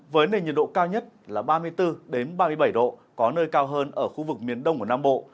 với nền nhiệt độ cao nhất là ba mươi bốn ba mươi bảy độ có nơi cao hơn ở khu vực miền đông của nam bộ